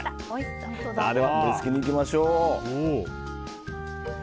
盛り付けにいきましょう。